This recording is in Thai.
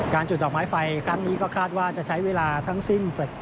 จุดดอกไม้ไฟครั้งนี้ก็คาดว่าจะใช้เวลาทั้งสิ้น